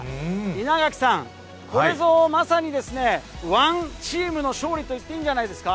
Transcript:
稲垣さん、これぞまさにですね、ワンチームの勝利といっていいんじゃないですか。